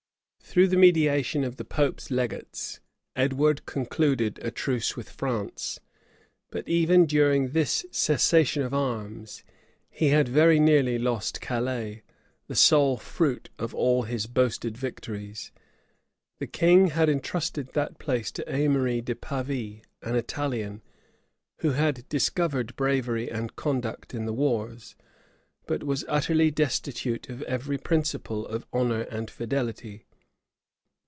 {1348.} Through the mediation of the pope's legates, Edward concluded a truce with France; but even during this cessation of arms, he had very nearly lost Calais, the sole fruit of all his boasted victories. The king had intrusted that place to Aimery de Pavie, an Italian, who had discovered bravery and conduct in the wars, but was utterly destitute of every principle of honor and fidelity.